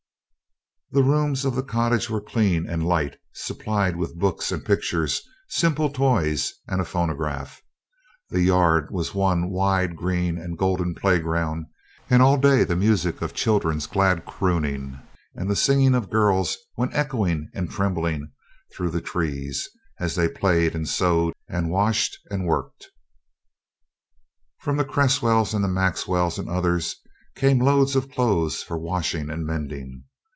The rooms of the cottage were clean and light, supplied with books and pictures, simple toys, and a phonograph. The yard was one wide green and golden play ground, and all day the music of children's glad crooning and the singing of girls went echoing and trembling through the trees, as they played and sewed and washed and worked. From the Cresswells and the Maxwells and others came loads of clothes for washing and mending.